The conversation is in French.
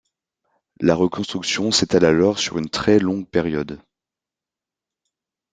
La reconstruction s'étale alors sur une très longue période.